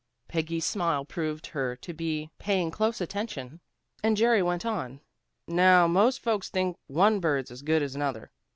'" Peggy's smile proved her to be paying close attention, and Jerry went on. "Now, most folks think one bird's as good as another.